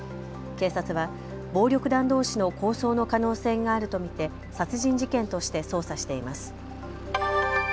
警察は暴力団どうしの抗争の可能性があると見て殺人事件として捜査しています。